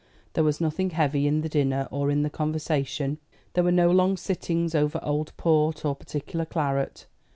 There was nothing heavy in the dinner or in the conversation; there were no long sittings over old port or particular claret.